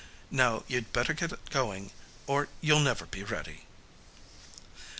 Now you'd better get going or you'll never be ready.